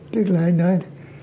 tức là anh nói